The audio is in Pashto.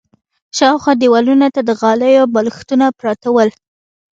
شاوخوا دېوالونو ته د غالیو بالښتونه پراته ول.